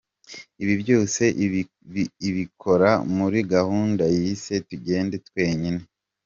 Ibi byose ibikora muri gahunda yise “Tugende twemye.